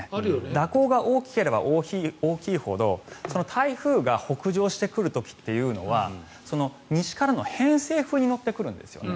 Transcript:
蛇行が大きければ大きいほど台風が北上してくる時というのは西からの偏西風に乗ってくるんですよね。